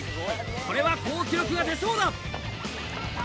これは好記録が出そうだ。